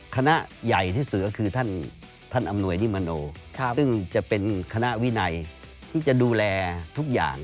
คณะใหญ่ที่เสือคือท่านอำนวยนิมโนซึ่งจะเป็นคณะวินัยที่จะดูแลทุกอย่าง